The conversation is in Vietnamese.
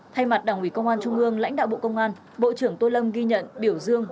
thay mặt đảng ủy công an trung ương lãnh đạo bộ công an bộ trưởng tô lâm ghi nhận biểu dương